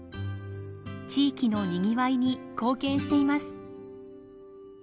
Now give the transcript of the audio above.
地域のにぎわいに貢献しています。